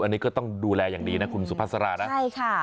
อันนี้ก็ต้องดูแลอย่างดีนะคุณสุภาษานะใช่ค่ะ